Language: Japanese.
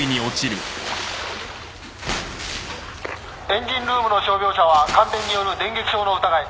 エンジンルームの傷病者は感電による電撃傷の疑い。